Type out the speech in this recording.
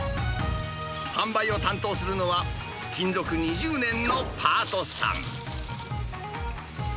販売を担当するのは、勤続２０年のパートさん。